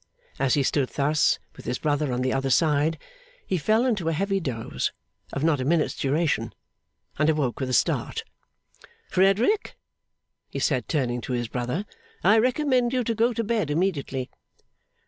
As he stood thus, with his brother on the other side, he fell into a heavy doze, of not a minute's duration, and awoke with a start. 'Frederick,' he said, turning to his brother: 'I recommend you to go to bed immediately.